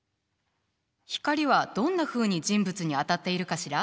光はどんなふうに人物に当たっているかしら？